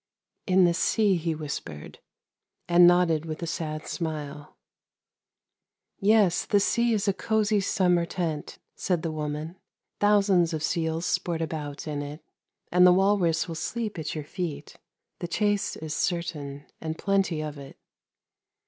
'' In the sea,' he whispered, and nodded with a sad smile. ' Yes, the sea is a cosy summer tent,' said the woman. ' Thousands of seals sport about in it, and the walrus will sleep at your feet; the chase is certain and plenty of it.'